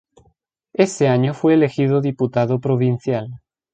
Ese año fue elegido diputado provincial.